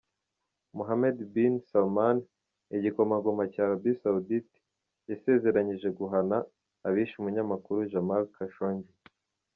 Mohammed bin Salman, igikomangoma cya Arabie Saoudite, yasezeranyije guhana 'abishe' umunyamakuru Jamal Khashoggi.